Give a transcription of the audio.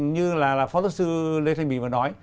như là phó giáo sư lê thanh bình vừa nói